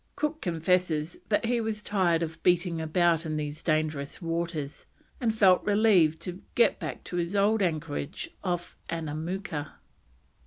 Cook confesses that he was tired of beating about in these dangerous waters, and felt relieved to get back to his old anchorage off Annamooka.